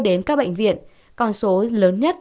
đến các bệnh viện con số lớn nhất